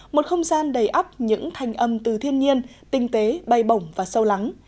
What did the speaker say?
một không gian đầy ấp những thanh âm từ thiên nhiên tinh tế bay bổng và sâu lắng